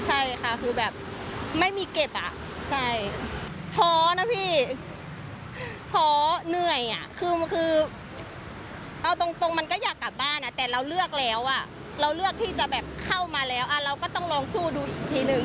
ใช่ค่ะคือแบบไม่มีเก็บอ่ะใช่พอนะพี่พอเหนื่อยอ่ะคือเอาตรงมันก็อยากกลับบ้านแต่เราเลือกแล้วอ่ะเราเลือกที่จะแบบเข้ามาแล้วเราก็ต้องลองสู้ดูอีกทีนึง